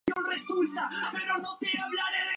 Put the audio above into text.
Durante la contienda contrajo una grave dolencia.